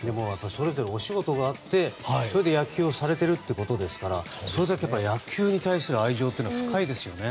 それぞれお仕事があって野球をされているということですからそれだけ野球に対する愛情が深いですよね。